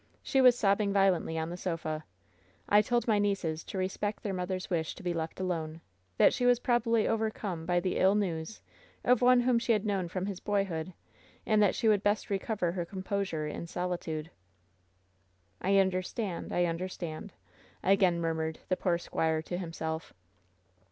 She was sobbing vio lently on the sofa. I told my nieces to respect their mother's wish to be left alone; that she was probably overcome by the ill news of one whom she had known from his boyhood, and that she would best recover her composure in solitude." "I understand! I understand!" again murmured the poor squire to himself.